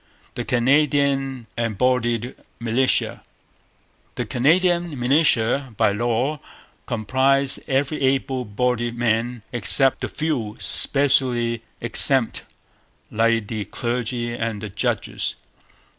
The Canadian Embodied Militia. The Canadian militia by law comprised every able bodied man except the few specially exempt, like the clergy and the judges.